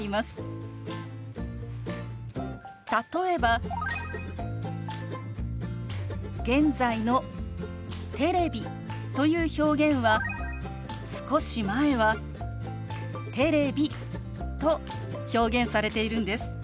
例えば現在の「テレビ」という表現は少し前は「テレビ」と表現されているんです。